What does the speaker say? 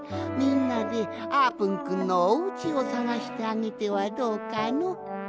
みんなであーぷんくんのおうちをさがしてあげてはどうかの？